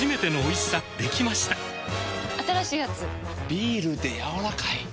ビールでやわらかい。